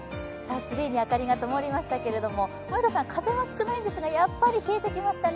ツリーに明かりがともりましたけども森田さん、風は少ないんですがやっぱり冷えてきましたね。